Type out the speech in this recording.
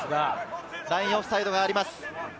ラインオフサイドがあります。